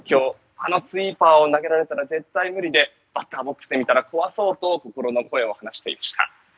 あのスイーパーを投げられたら絶対に無理でバッターボックスで見たら怖そうと心の声を話していました。